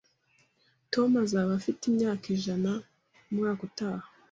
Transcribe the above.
Tom azaba afite imyaka ijana umwaka utaha.